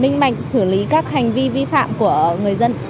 minh mạnh xử lý các hành vi vi phạm của người dân